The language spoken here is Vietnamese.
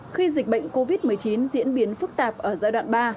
khi dịch bệnh covid một mươi chín diễn biến phức tạp ở giai đoạn ba